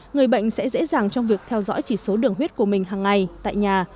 người bệnh sẽ dễ dàng trong việc theo dõi chỉ số đường huyết của mình hằng ngày tại nhà